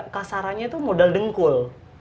kasarannya itu modal dengkul